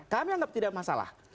kami anggap tidak masalah